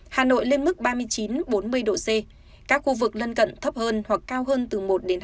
hà nội lên mức ba mươi chín bốn mươi độ c các khu vực lân cận thấp hơn hoặc cao hơn từ một hai mươi